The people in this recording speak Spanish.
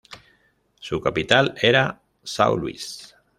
Su capital era São Luís.